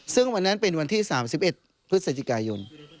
ซึ่งวันนั้นเป็นวันที่๓๑พฤศจิกายน